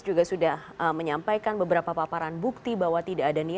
juga sudah menyampaikan beberapa paparan bukti bahwa tidak ada niat